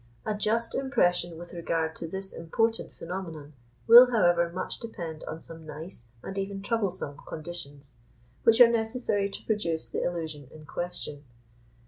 A just impression with regard to this important phenomenon will, however, much depend on some nice and even troublesome conditions, which are necessary to produce the illusion in question.